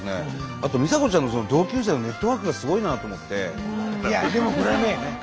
あと美沙子ちゃんの同級生のネットワークがすごいなと思って。